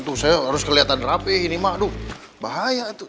tuh saya harus keliatan rapih ini ma aduh bahaya tuh